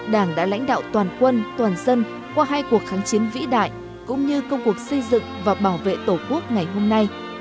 đảng đã lãnh đạo toàn quân toàn dân qua hai cuộc kháng chiến vĩ đại cũng như công cuộc xây dựng và bảo vệ tổ quốc ngày hôm nay